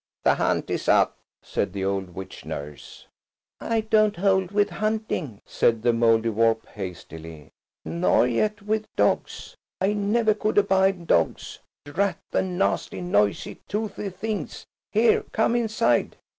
"The hunt is up," said the old witch nurse. "I don't hold with hunting," said the Mouldiwarp hastily, "nor yet with dogs. I never could abide dogs, drat the nasty, noisy, toothy things! Here, come inside."